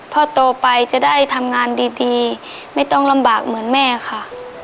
โตไปจะได้ทำงานดีไม่ต้องลำบากเหมือนแม่ค่ะ